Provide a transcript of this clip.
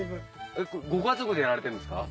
ご家族でやられてるんですか？